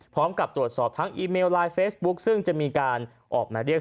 พร้อมกับตรวจสอบทั้งอีเมลไลน์เฟซบุ๊คซึ่งจะมีการออกมาเรียก